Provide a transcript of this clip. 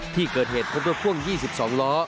ที่เกิดเหตุพบรถพ่วง๒๒ล้อ